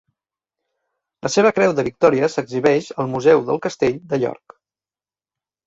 La seva Creu de Victòria s'exhibeix al Museu del Castell de York.